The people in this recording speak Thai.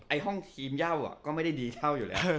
ห้องทีมเย่าก็ไม่ได้ดีเท่าอยู่แล้ว